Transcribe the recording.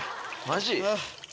マジ？